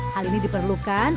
hal ini diperlukan